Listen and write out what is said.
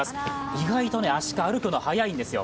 意外とアシカ、歩くの速いんですよ